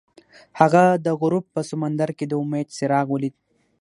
هغه د غروب په سمندر کې د امید څراغ ولید.